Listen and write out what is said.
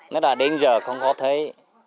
nói là đến giờ không có thấy